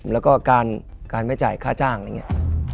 แล้วก็การไม่จ่ายค่าจ้างอะไรอย่างนี้